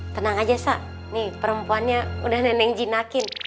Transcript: tenang aja sak nih perempuannya udah nenek jinakin